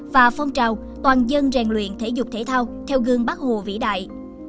và phong trào toàn dân rèn luyện thể dục thể thao theo gương bác hồ vĩ đại